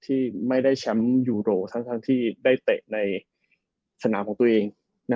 ที่ไม่ได้แชมป์ยูโรทั้งที่ได้เตะในสนามของตัวเอง